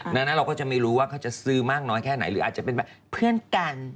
ดังนั้นเราก็จะไม่รู้ว่าเขาจะซื้อมากน้อยแค่ไหนหรืออาจจะเป็นแบบเพื่อนกัน